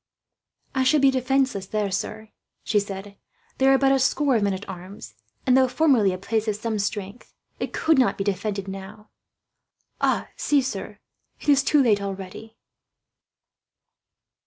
"I should be defenceless there, sir," she said. "There are but a score of men at arms and, though formerly a place of some strength, it could not be defended now. See, sir, it is too late already."